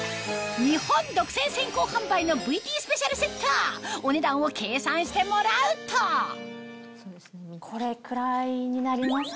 日本独占先行販売のＶＴスペシャルセットお値段を計算してもらうとこれくらいになりますかね。